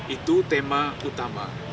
itu tema utama